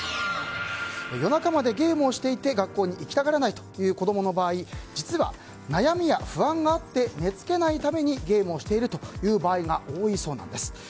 夜中までゲームをしていて学校に行きたがらないという子供の場合実は、悩みや不安があって寝付けないためにゲームをしているという場合が多いそうです。